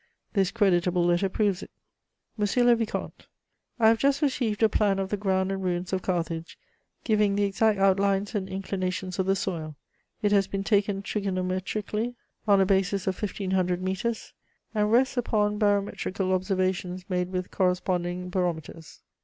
This creditable letter proves it: "MONSIEUR LE VICOMTE, "I have just received a plan of the ground and ruins of Carthage, giving the exact outlines and inclinations of the soil; it has been taken trigonometrically on a basis of 1500 meters, and rests upon barometrical observations made with corresponding barometers.